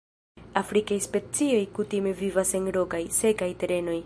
Afrikaj specioj kutime vivas en rokaj, sekaj terenoj.